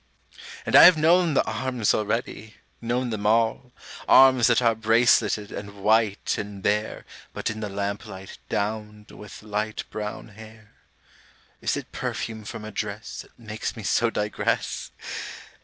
And I have known the arms already, known them all Arms that are braceleted and white and bare (But in the lamplight, downed with light brown hair!) Is it perfume from a dress That makes me so digress?